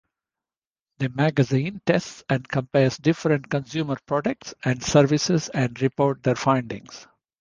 The magazine tests and compares different consumer products and services and reports their findings.